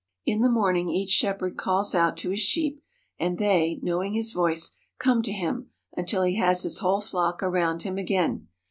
In the morning each shepherd calls out to his sheep, and they, knowing his voice, come to him until he has his whole flock around him again.